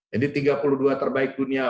jadi tiga puluh dua terbaik dunia